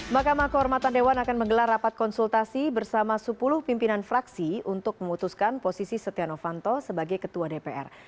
mahkamah kehormatan dewan akan menggelar rapat konsultasi bersama sepuluh pimpinan fraksi untuk memutuskan posisi setia novanto sebagai ketua dpr